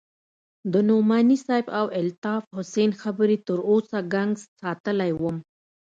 د نعماني صاحب او الطاف حسين خبرې تر اوسه گنگس ساتلى وم.